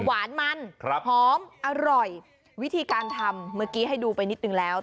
หวานมันครับหอมอร่อยวิธีการทำเมื่อกี้ให้ดูไปนิดนึงแล้ว